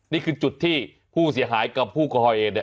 นี่คือจุดที่ผู้เสียหายกับผู้ก้อยเอง